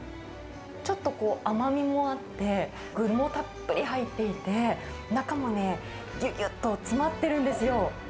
ちょっとこう、甘みもあって、具もたっぷり入っていて、中もね、ぎゅぎゅっと詰まってるんですよ。